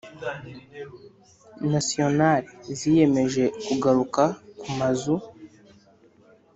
Nationale ziyemeje kugaruka kumazu